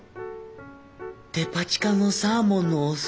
デパ地下のサーモンのお寿司。